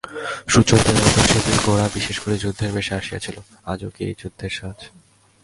সুচরিতা জানিত, সেদিন গোরা বিশেষ করিয়া যুদ্ধের বেশে আসিয়াছিল–আজও কি এই যুদ্ধের সাজ!